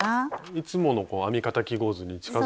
いつもの編み方記号図に近づいたというか。